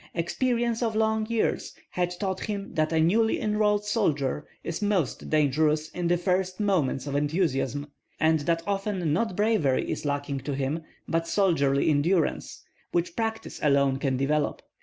Experience of long years had taught him that a newly enrolled soldier is most dangerous in the first moments of enthusiasm, and that often not bravery is lacking to him, but soldierly endurance, which practice alone can develop.